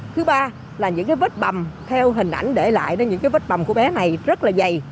thứ ba là những cái vết bầm theo hình ảnh để lại đến những cái vết bầm của bé này rất là dày